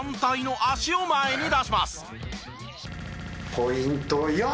ポイント４！